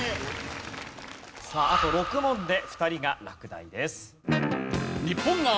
さああと６問で２人が落第です。